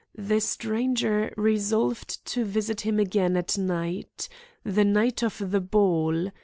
The stranger resolved to visit him again at night the night of the ball.